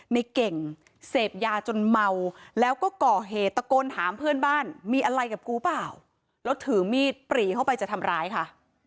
ในเก่งเสพยาจนเมาแล้วก็ก่อเหตุตะโกนถามเพื่อนบ้านมีอะไรกับกูเปล่าแล้วถือมีดปรีเข้าไปจะทำร้ายค่ะ